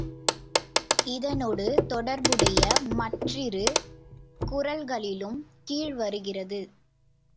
இதனொடு தொடர்புடைய மற்றிரு குறள்களிலும் கீழ் வருகிறது.